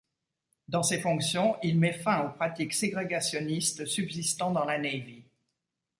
Dans ses fonctions, il met fin aux pratiques ségrégationnistes subsistant dans la Navy.